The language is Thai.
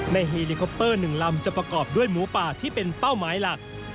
เฮลิคอปเตอร์๑ลำจะประกอบด้วยหมูป่าที่เป็นเป้าหมายหลัก